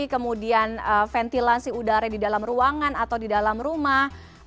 kemudian ventilasi udara di dalam ruangan atau di dalam rumah